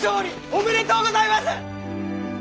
おめでとうございます！